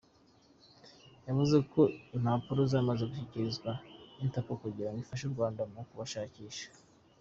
Yavuze ko impapuro zamaze gushyikirizwa Interpol kugira ngo ifashe u Rwanda mu kubashakisha.